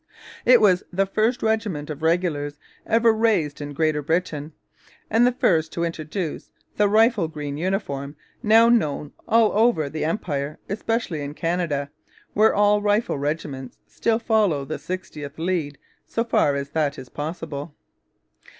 It was the first regiment of regulars ever raised in Greater Britain, and the first to introduce the rifle green uniform now known all over the Empire, especially in Canada, where all rifle regiments still follow 'the 60th's' lead so far as that is possible.